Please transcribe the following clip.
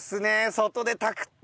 外で炊くって。